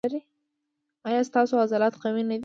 ایا ستاسو عضلات قوي نه دي؟